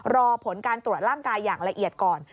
รอผลการตรวจร่างกายอย่างละเอียดก่อน